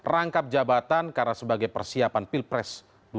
rangkap jabatan karena sebagai persiapan pilpres dua ribu sembilan belas